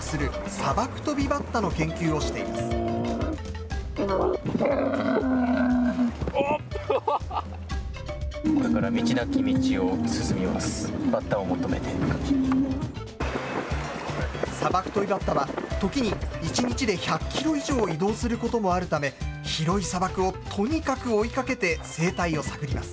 サバクトビバッタは、時に１日で１００キロ以上移動することもあるため、広い砂漠をとにかく追いかけて生態を探ります。